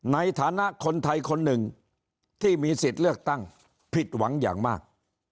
ในฐานะคนไทยคนหนึ่งที่มีสิทธิ์เลือกตั้งผิดหวังอย่างมาก